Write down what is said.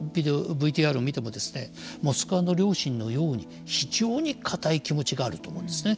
ＶＴＲを見てもモスクワの両親のように非常に固い気持ちがあると思うんですよね。